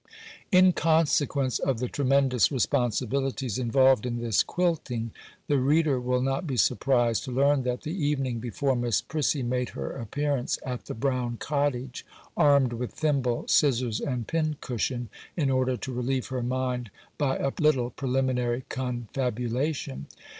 In consequence of the tremendous responsibilities involved in this quilting, the reader will not be surprised to learn that the evening before Miss Prissy made her appearance at the brown cottage, armed with thimble, scissors, and pincushion, in order to relieve her mind by a little preliminary confabulation.